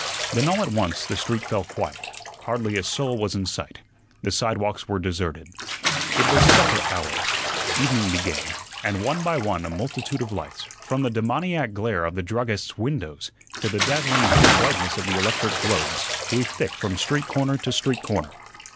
Then all at once the street fell quiet; hardly a soul was in sight; the sidewalks were deserted. It was supper hour. Evening began; and one by one a multitude of lights, from the demoniac glare of the druggists' windows to the dazzling blue whiteness of the electric globes, grew thick from street corner to street corner.